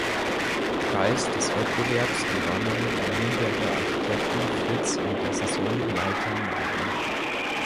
Preis des Wettbewerbs gewannen die Nürnberger Architekten Fritz und dessen Sohn Walter Mayer.